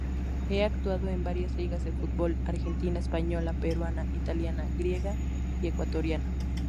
Ha actuado en varias ligas de fútbol: argentina, española, peruana, italiana, griega y ecuatoriana.